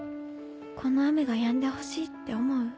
この雨がやんでほしいって思う？